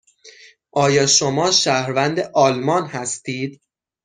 آیا شما شهروند آلمان هستید؟